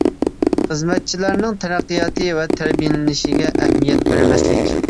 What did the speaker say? خىزمەتچىلەرنىڭ تەرەققىياتى ۋە تەربىيەلىنىشىگە ئەھمىيەت بەرمەسلىك.